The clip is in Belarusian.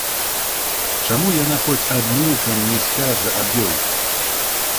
Чаму яна хоць абмылкам не скажа аб ёй?